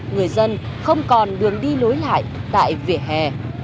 người dân không còn đường đi lối lại tại vỉa hè